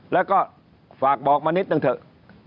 แล้วก็ฝากบอกมานิดนึงเถอะ